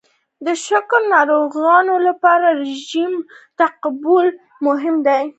د شکر ناروغانو لپاره رژیم تعقیبول مهم دي.